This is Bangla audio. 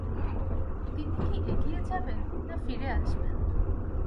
তিনি কি এগিয়ে যাবেন, না ফিরে আসবেন?